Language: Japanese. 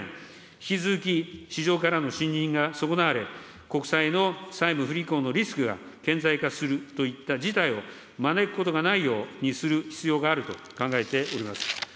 引き続き市場からの信認が損なわれ、国債の債務不履行のリスクが顕在化するといった事態を招くことがないようにする必要があると考えております。